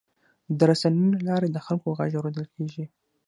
د رسنیو له لارې د خلکو غږ اورېدل کېږي.